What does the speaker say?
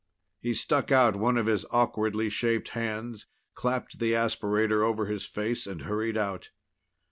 He stuck out one of his awkwardly shaped hands, clapped the aspirator over his face and hurried out.